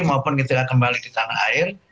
maupun ketika kembali di tanah air